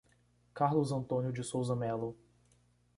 Carlos Antônio de Souza Melo